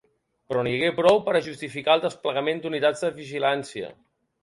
Però n’hi hagué prou per a justificar el desplegament d’unitats de vigilància.